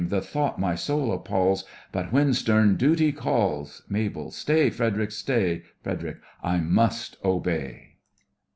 The thought my soul appalls, But when stern Duty calls, MABEL: Stay, Fred'ric, stay! FREDERIC: I must obey.